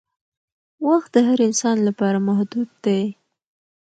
وخت د هر انسان لپاره محدود دی